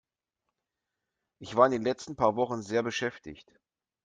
Ich war in den letzten paar Wochen sehr beschäftigt.